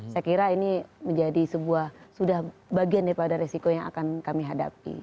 saya kira ini menjadi sebuah sudah bagian daripada resiko yang akan kami hadapi